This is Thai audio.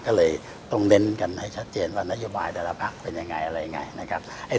ก็เลยต้องเน้นกันให้ชัดเจนว่านโยบายแต่ละภาพเป็นอย่างไร